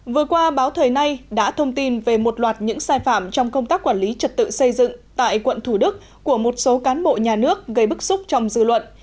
vừa qua báo thời nay đã thông tin về một loạt những sai phạm trong công tác quản lý trật tự xây dựng tại quận thủ đức của một số cán bộ nhà nước gây bức xúc trong dư luận